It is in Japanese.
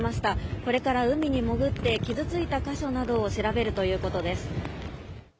これから海に潜って傷ついた箇所などを調べるということです